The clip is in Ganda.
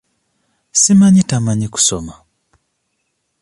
Simanyi tamanyi kusoma?